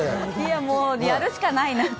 もうやるしかないなって。